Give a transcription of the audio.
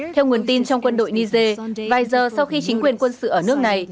theo nguồn tin trong quân đội niger vài giờ sau khi chính quyền quân sự ở nước này